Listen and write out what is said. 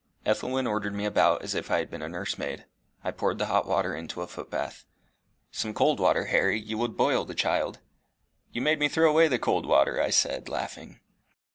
Ethelwyn ordered me about as if I had been a nursemaid. I poured the hot water into a footbath. "Some cold water, Harry. You would boil the child." "You made me throw away the cold water," I said, laughing.